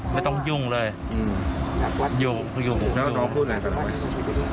ไม่ต้องยุ่งเลยอืมอยู่อยู่แล้วน้องพูดอะไรกับน้องไหม